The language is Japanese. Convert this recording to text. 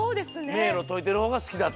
めいろといてるほうがすきだった？